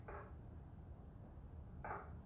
এদের কথা মেয়েরা পর্দার বাইরে কিছুতে স্বীকার করতে চায় না।